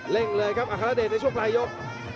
่งเลยครับอัครเดชในช่วงปลายยก